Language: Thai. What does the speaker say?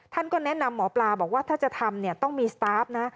ท่านก็แนะนำหมอปลาบอกว่าถ้าจะทำเนี่ยต้องมีสตาร์ฟนะ